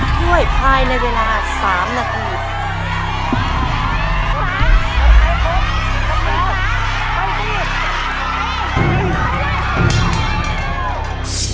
ถ้วยภายในเวลา๓นาที